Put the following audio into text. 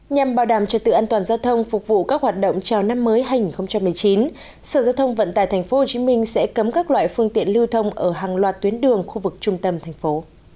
nhằm bảo đảm trật tự an toàn giao thông phục vụ các hoạt động chào năm mới hành một mươi chín sở giao thông vận tài tp hcm sẽ cấm các loại phương tiện lưu thông ở hàng loạt tuyến đường khu vực trung tâm thành phố